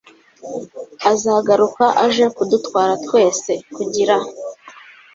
azagaruka aje kudutwara twese, kugira